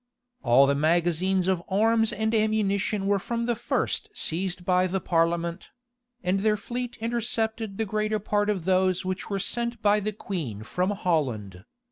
All the magazines of arms and amunition were from the first seized by the parliament; and their fleet intercepted the greater part of those which were sent by the queen from Holland.